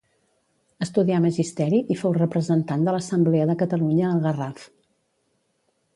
Estudià magisteri i fou representant de l'Assemblea de Catalunya al Garraf.